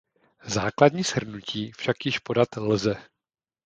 Základní shrnutí však již podat lze.